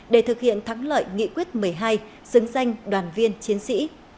để thực hiện thắng lợi nghị quyết một mươi hai xứng danh đoàn viên chiến sĩ